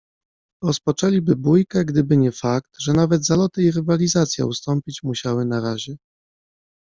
Rozpoczęliby bójkę, gdyby nie fakt, że nawet zaloty i rywalizacja ustąpić musiały na razie